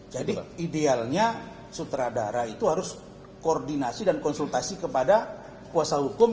jadi idealnya sutradara itu harus koordinasi dan konsultasi kepada kuasa hukum